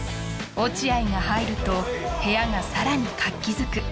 落合が入ると部屋がさらに活気づく